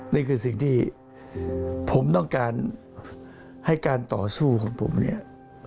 นี่คือสิ่งที่ผมต้องการให้การต่อสู้ของผมเนี่ย